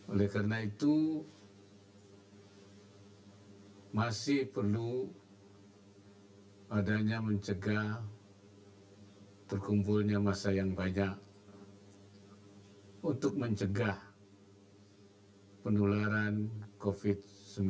oleh karena itu masih perlu adanya mencegah terkumpulnya masa yang banyak untuk mencegah penularan covid sembilan belas